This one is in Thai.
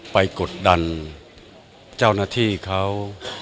กดดันเจ้าหน้าที่เขา